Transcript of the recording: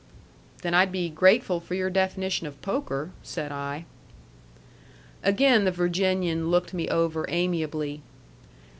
"Then I'd be grateful for your definition of poker," said I. Again the Virginian looked me over amiably.